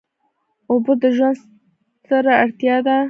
اوبه د ژوند ستره اړتیا ده.